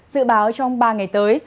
dự báo trong ba ngày tới